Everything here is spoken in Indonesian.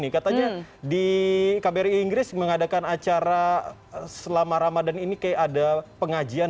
katanya di kbri inggris mengadakan acara selama ramadan ini kayak ada pengajian